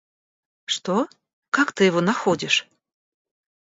Что? Как ты его находишь?